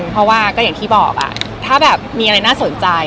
เพราะว่าแบบที่บอกถ้ามีอะไรน่าสนใจ